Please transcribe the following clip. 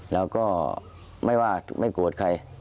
แล้วก็ไม่ว่าไม่โกรธใคร